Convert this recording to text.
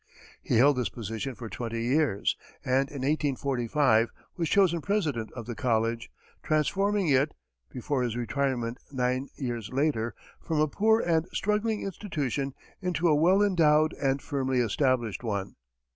He held this position for twenty years, and in 1845 was chosen president of the college, transforming it, before his retirement nine years later, from a poor and struggling institution into a well endowed and firmly established one.